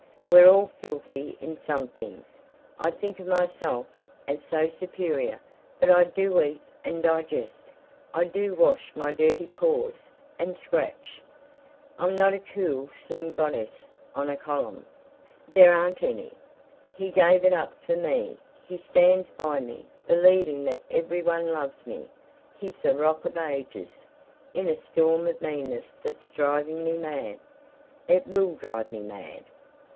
We're all filthy in some things. I think of myself as so superior, but I do eat and digest, I do wash my dirty paws and scratch. I'm not a cool slim goddess on a column. There aren't any! He gave it up for me. He stands by me, believing that every one loves me. He's the Rock of Ages in a storm of meanness that's driving me mad ... it will drive me mad."